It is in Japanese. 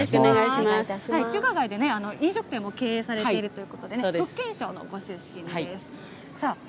中華街で飲食店を経営されているということで、福建省のご出身です。